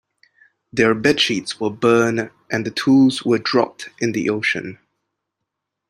Their bed-sheets were burned and the tools were dropped in the ocean.